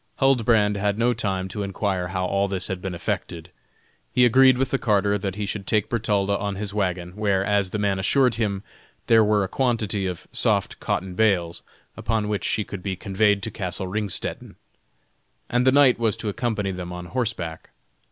Huldbrand had no time to inquire how all this had been effected. He agreed with the carter that he should take Bertalda on his wagon, where, as the man assured him, there were a quantity of soft cotton bales, upon which she could be conveyed to castle Ringstetten, and the knight was to accompany them on horseback.